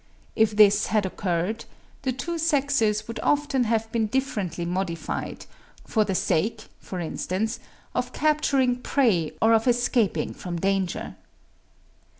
If this had occurred, the two sexes would often have been differently modified, for the sake, for instance, of capturing prey or of escaping from danger.